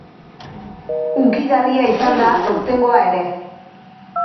Hunkigarria izan da, aurtengoa ere.